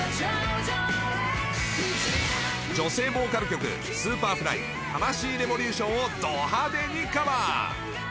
女性ボーカル曲Ｓｕｐｅｒｆｌｙタマシイレボリューションをど派手にカバー。